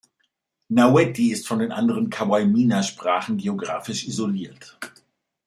Naueti ist von den anderen Kawaimina-Sprachen geographisch isoliert.